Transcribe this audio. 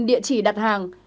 địa chỉ đặt hàng